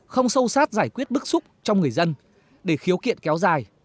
không sâu sát giải quyết bức xúc trong người dân để khiếu kiện kéo dài